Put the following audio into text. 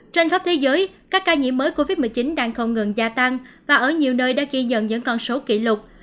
trên khắp thế giới các ca nhiễm mới covid một mươi chín đang không ngừng gia tăng và ở nhiều nơi đã ghi nhận những con số kỷ lục